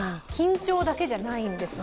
緊張だけじゃないんですね。